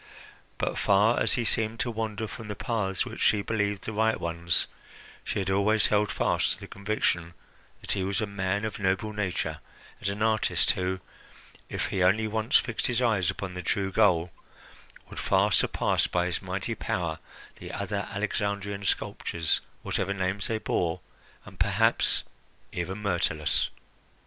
But, far as he seemed to wander from the paths which she believed the right ones, she had always held fast to the conviction that he was a man of noble nature, and an artist who, if he only once fixed his eyes upon the true goal, would far surpass by his mighty power the other Alexandrian sculptors, whatever names they bore, and perhaps even Myrtilus.